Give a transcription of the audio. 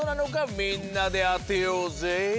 みんなであてようぜ。